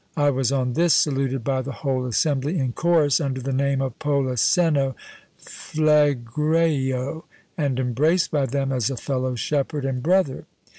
I was on this saluted by the whole assembly in chorus, under the name of Polisseno PhlegrÃḊio, and embraced by them as a fellow shepherd and brother.